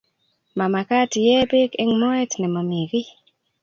Mamakat I ee pek eng moet ne mami ki